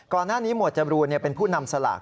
ก่อนหน้านี้หมวดจรูนเป็นผู้นำสลาก